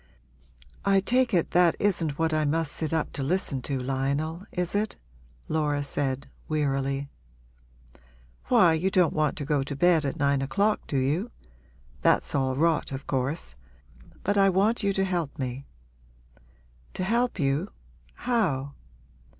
'I take it that isn't what I must sit up to listen to, Lionel, is it?' Laura said, wearily. 'Why, you don't want to go to bed at nine o'clock, do you? That's all rot, of course. But I want you to help me.' 'To help you how?'